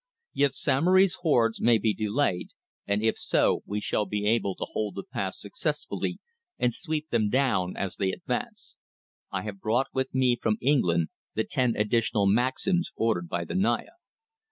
Yet Samory's hordes may be delayed, and if so, we shall be able to hold the pass successfully and sweep them down as they advance. I have brought with me from England the ten additional Maxims ordered by the Naya."